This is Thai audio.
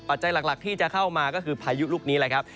จัยหลักที่จะเข้ามาก็คือพายุลูกนี้แหละครับ